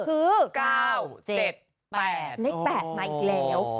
เลข๘มาอีกแล้ว